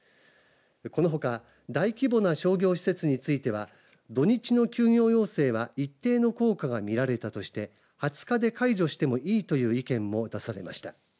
このほか、大規模な商業施設については土日の休業要請は一定の効果が見られたとして２０日で解除してもいいという意見も出されました。